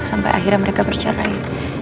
sampai akhirnya mereka bercerai